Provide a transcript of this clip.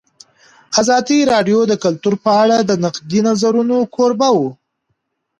ازادي راډیو د کلتور په اړه د نقدي نظرونو کوربه وه.